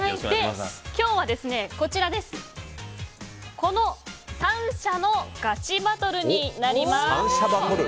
今日は、この３社のガチバトルになります。